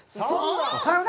サウナ！